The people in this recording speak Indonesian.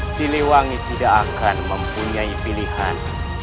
siliwangi tidak akan mempunyai pilihan